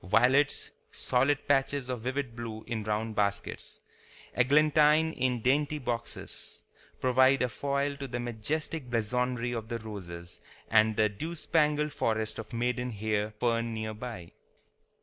Violets, solid patches of vivid blue in round baskets, eglantine in dainty boxes, provide a foil to the majestic blazonry of the roses and the dewspangled forest of maiden hair fern near by.